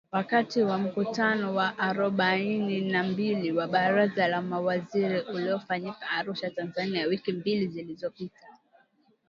Wakati wa mkutano wa arobaini na mbili wa Baraza la Mawaziri uliofanyika Arusha, Tanzania wiki mbili zilizopita.